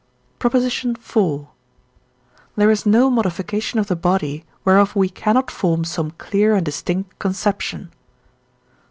PROP. IV. There is no modification of the body, whereof we cannot form some clear and distinct conception.